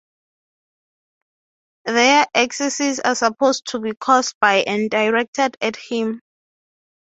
Their excesses are supposed to be caused by and directed at him.